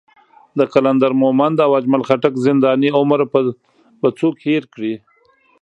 د قلندر مومند او اجمل خټک زنداني عمر به څوک هېر کړي.